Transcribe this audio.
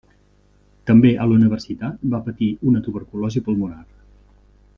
També a la universitat va patir una tuberculosi pulmonar.